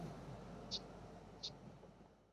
由南宁铁路局梧州车务段管辖。